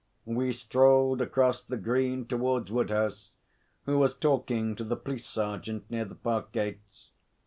We strolled across the green towards Woodhouse, who was talking to the police sergeant near the park gates.